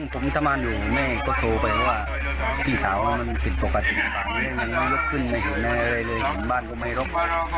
ผมมิถามาณอยู่แม่ก็โทรไปว่าพี่สาวมันผิดปกติแม่ยังไม่รบขึ้นแม่เลยเลยบ้านก็ไม่รบ